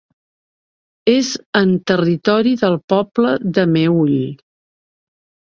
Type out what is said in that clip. És en territori del poble del Meüll.